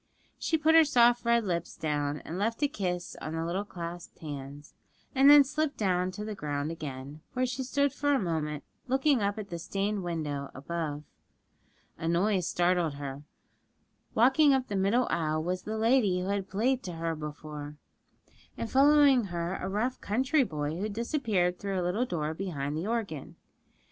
She put her soft red lips down and left a kiss on the little clasped hands, and then slipped down to the ground again, where she stood for a moment looking up at the stained window above. A noise startled her: walking up the middle aisle was the lady who had played to her before, and following her a rough country boy, who disappeared through a little door behind the organ.